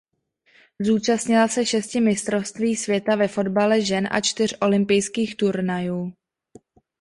Zúčastnila se šesti mistrovství světa ve fotbale žen a čtyř olympijských turnajů.